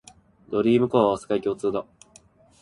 ドリームコアは世界共通だ